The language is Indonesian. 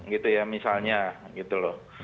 gitu ya misalnya gitu loh